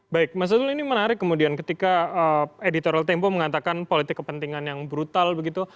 baik mas azul ini menarik kemudian ketika editorial tempo mengatakan politik kepentingan yang brutal begitu